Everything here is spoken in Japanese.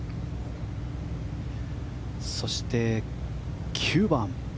そして９番。